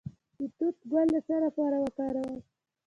د توت ګل د څه لپاره وکاروم؟